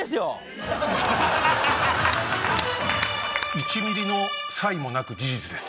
１ｍｍの差異もなく事実です。